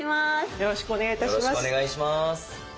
よろしくお願いします。